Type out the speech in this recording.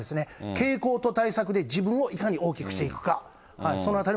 傾向と対策で、自分をいかに大きくしていくか。